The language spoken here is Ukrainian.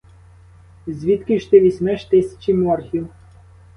Звідки ж ти візьмеш тисячі моргів?